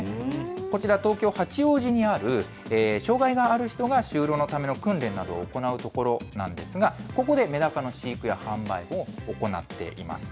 こちら、東京・八王子にある障害がある人が就労のための訓練などを行う所なんですが、ここでメダカの飼育や販売を行っています。